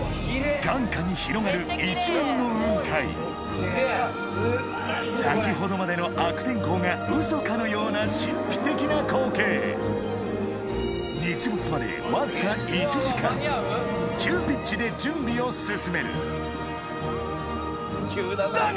眼下に広がる一面の雲海先ほどまでの悪天候がウソかのような神秘的な光景わずか急ピッチで準備を進めるだが！